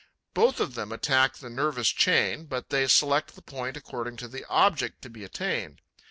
Both of them attack the nervous chain, but they select the point according to the object to be attained.